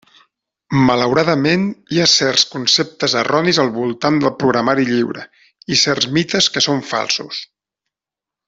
Malauradament, hi ha certs conceptes erronis al voltant del programari lliure i certs mites que són falsos.